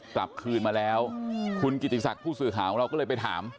กลับคืนมาแล้วคุณกิติศักดิ์ผู้สื่อข่าวของเราก็เลยไปถาม